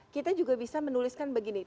kita juga bisa menuliskan begini